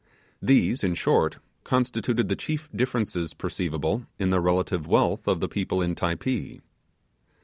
These, in short, constituted the chief differences perceivable in the relative wealth of the people in Typee.